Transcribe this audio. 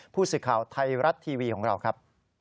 ผู้สื่อข่าวไทยรัฐทีวีของเราครับ